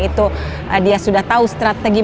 itu dia sudah tahu strategi